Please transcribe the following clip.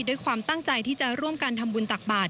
ด้วยความตั้งใจที่จะร่วมกันทำบุญตักบาท